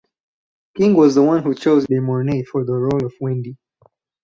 King was the one who chose De Mornay for the role of Wendy.